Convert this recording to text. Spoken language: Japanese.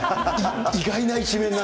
意外な一面が。